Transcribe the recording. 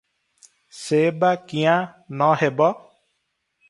ସେ ବା କିଆଁ ନ ହେବ?